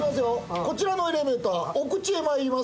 こちらのエレベーター、お口へまいります。